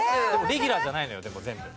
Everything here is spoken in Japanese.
レギュラーじゃないのよでも全部。